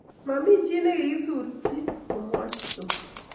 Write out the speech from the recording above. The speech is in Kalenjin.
Mamichi nekikisurtyin komwoch Tom